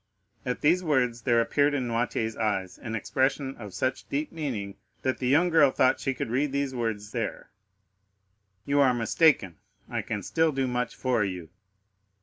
At these words there appeared in Noirtier's eye an expression of such deep meaning that the young girl thought she could read these words there: "You are mistaken; I can still do much for you."